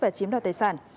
và chiếm đoạt tài sản